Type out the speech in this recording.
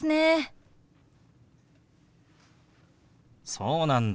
そうなんだ。